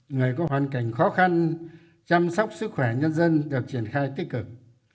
người có hoàn cảnh khó khăn chăm sóc sức khỏe nhân dân được triển khai tích cực